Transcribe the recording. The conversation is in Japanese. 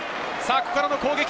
ここからの攻撃。